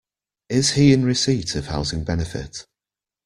Is he in receipt of housing benefit?